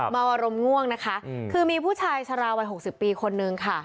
เมาอารมณ์ง่วงนะคะคือมีผู้ชายชะลาวัย๖๐ปีคนนึงค่ะ